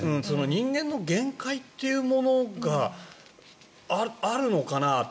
人間の限界というものがあるのかなと。